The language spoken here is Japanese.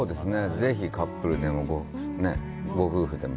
ぜひカップルでもご夫婦でも。